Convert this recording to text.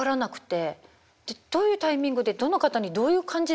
どういうタイミングでどの方にどういう感じで挨拶したらいいのかとか。